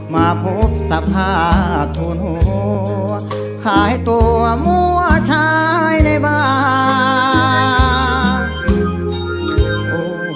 มาพบสับผ้าโทนโหข้าให้ตัวมัวชายในบ้าน